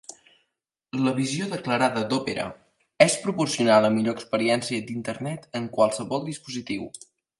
La visió declarada d'Opera és proporcionar la millor experiència d'Internet en qualsevol dispositiu.